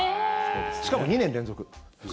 しかも２年連続。